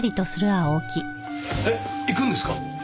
えっ行くんですか？